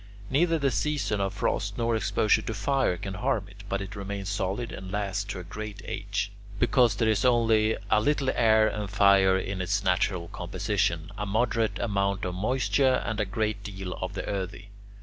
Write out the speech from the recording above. Neither the season of frost nor exposure to fire can harm it, but it remains solid and lasts to a great age, because there is only a little air and fire in its natural composition, a moderate amount of moisture, and a great deal of the earthy.